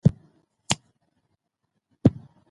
نورستان د ټولو افغان ماشومانو د زده کړې یوه لویه موضوع ده.